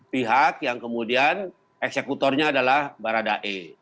pihak yang kemudian eksekutornya adalah barada e